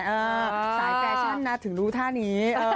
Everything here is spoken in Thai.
สายแฟชั่นนะถึงรู้ท่านี้